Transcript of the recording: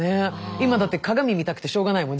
今だって鏡見たくてしょうがないもん。